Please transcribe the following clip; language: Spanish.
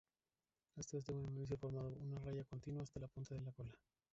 Estas deben unirse formando una raya continua hasta la punta de la cola.